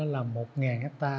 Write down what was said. là một hecta